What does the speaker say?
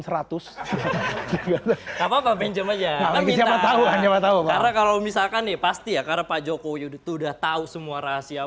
jauh brasil kalau misalkan nih pasti ya karena pak jokowi juga tahu semua rahasia